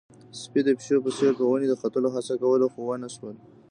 سپي د پيشو په څېر په ونې د ختلو هڅه کوله، خو ونه شول.